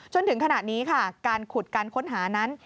จนถึงขณะนี้ค่ะการขุดการค้นหานั้น